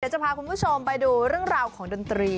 จะพาคุณผู้ชมไปดูเรื่องราวของดนตรี